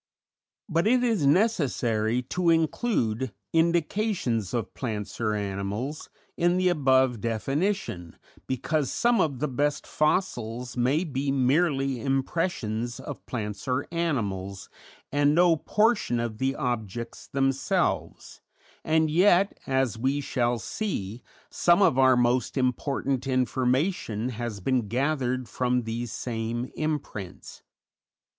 But it is necessary to include 'indications of plants or animals' in the above definition because some of the best fossils may be merely impressions of plants or animals and no portion of the objects themselves, and yet, as we shall see, some of our most important information has been gathered from these same imprints.